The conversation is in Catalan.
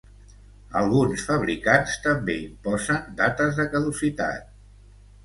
Alguns fabricants també imposen "dates de caducitat".